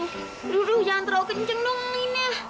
aduh aduh jangan terlalu kenceng dong ini ya